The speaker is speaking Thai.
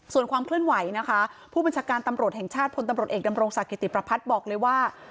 ส่วนความเคลื่อนไหวนะคะผู้บัญชาการตำรวจแห่งชาติพลตำรวจเอกดำรงศักดิติประพัฒน์บอกเลยว่า